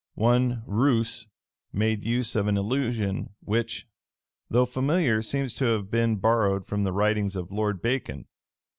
One Rouse made use of an allusion which, though familiar seems to have been borrowed from the writings of Lord Bacon.